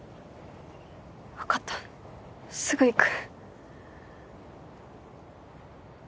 分かったすぐ行く。